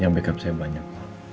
yang backup saya banyak